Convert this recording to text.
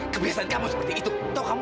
kebiasaan kamu seperti itu toh kamu